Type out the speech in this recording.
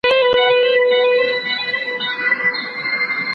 له خوارۍ ژرنده ساتي، د خياله مزد نه اخلي.